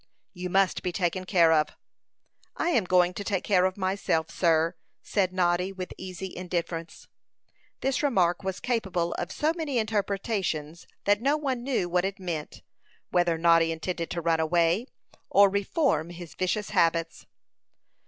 "You must be taken care of." "I am going to take care of myself, sir," said Noddy, with easy indifference. This remark was capable of so many interpretations that no one knew what it meant whether Noddy intended to run away, or reform his vicious habits.